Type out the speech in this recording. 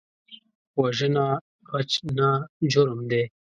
وژنه غچ نه، جرم دی